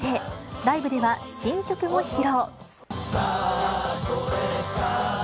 ライブでは新曲も披露。